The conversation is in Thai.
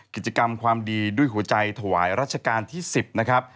กิจกรรมความดีด้วยหัวใจถวายรัชกาลที่๑๐นะครับ